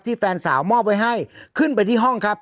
แฟนสาวมอบไว้ให้ขึ้นไปที่ห้องครับ